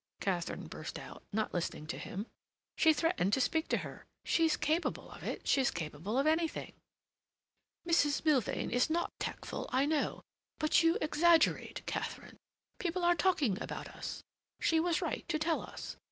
Katharine burst out, not listening to him. "She threatened to speak to her. She's capable of it—she's capable of anything!" "Mrs. Milvain is not tactful, I know, but you exaggerate, Katharine. People are talking about us. She was right to tell us.